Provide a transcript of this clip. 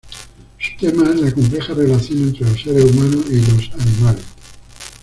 Su tema es la compleja relación entre los seres humanos y los animales.